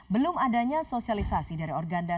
belum adanya sosialisasi dari organda